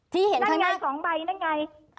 ที่เห็นข้างหน้านั่งไง๒ใบนั่งไง